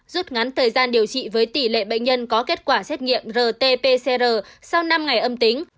rút ngắn thời gian điều trị với tỷ lệ bệnh nhân có kết quả xét nghiệm rt pcr sau năm ngày âm tính